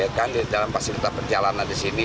ya kan di dalam pasir kita berjalanan di sini